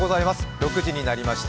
６時になりました。